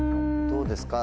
どうですか？